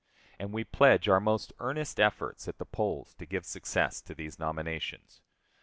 And we pledge our most earnest efforts at the polls to give success to these nominations.